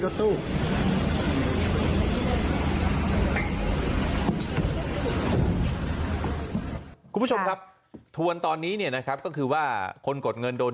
คุณผู้ชมครับทวนตอนนี้เนี่ยนะครับก็คือว่าคนกดเงินโดน